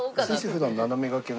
普段斜め掛けの。